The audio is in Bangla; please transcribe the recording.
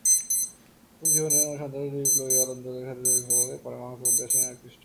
প্রথম জীবনে সন্ত্রাসবাদী বিপ্লবী আন্দোলনের সাথে যুক্ত থাকলেও পরে মার্কসবাদী দর্শনে আকৃষ্ট হন।